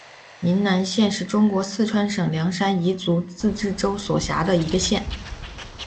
宁南县是中国四川省凉山彝族自治州所辖的一个县。